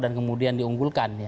dan kemudian diunggulkan